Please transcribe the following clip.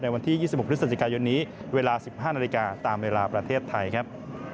วันที่๒๖พฤศจิกายนนี้เวลา๑๕นาฬิกาตามเวลาประเทศไทยครับ